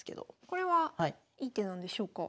これはいい手なんでしょうか？